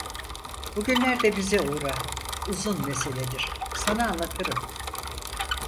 Bugünlerde bize uğra, uzun meseledir, sana anlatırım.